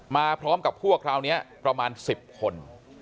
มาพร้อมกับพวกคราวนี้ประมาณ๑๐คน